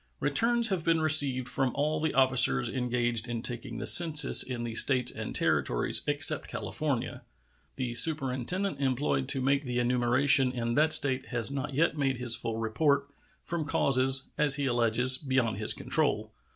Returns have been received from all the officers engaged in taking the census in the States and Territories except California. The superintendent employed to make the enumeration in that State has not yet made his full report, from causes, as he alleges, beyond his control.